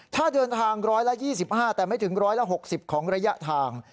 ถ้าเดินทาง๑๒๕แต่ไม่ถึง๑๖๐ของระยะทาง